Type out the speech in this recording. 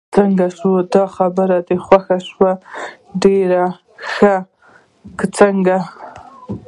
څنګه شو، دا خبر دې خوښ شو؟ ډېر ښه، که څنګه؟